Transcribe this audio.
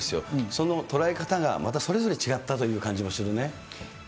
その捉え方が、またそれぞれ違ったという感じもするね。